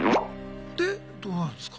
でどうなるんすか？